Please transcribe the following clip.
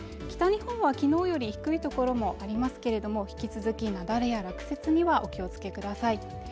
北日本はきのうより低い所もありますけれども引き続き雪崩や落石にはお気をつけください